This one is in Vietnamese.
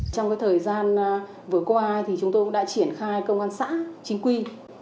trong thời gian vừa qua thì chúng tôi đã triển khai công an xã chính quy